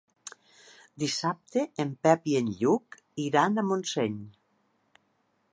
Dissabte en Pep i en Lluc iran a Montseny.